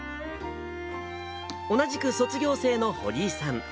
同じく卒業生の堀井さん。